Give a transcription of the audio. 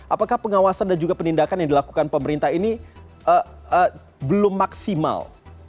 apakah pengawasan dan juga penindakan yang dilakukan pemerintah ini belum maksimal